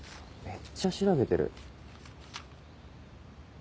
めっちゃ調べてる。